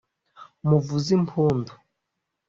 “muvuze impundu